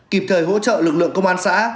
kịp thời hỗ trợ lực lượng công an xã